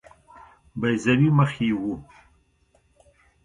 بیضوي مخ یې وو.